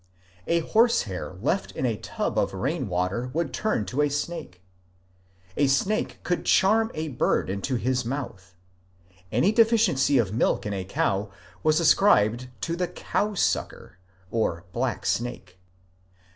A horsehair left in a tub of rain water would turn to a snake : a snake could charm a bird into his mouth : any deficiency of milk in a cow was ascribed to the ^^ cowsucker " (black snake).